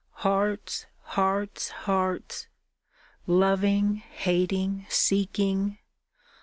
Hearts, hearts, hearts, loving, hating, seeking.